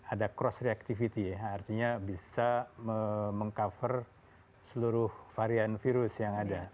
ada cross reactivity ya artinya bisa meng cover seluruh varian virus yang ada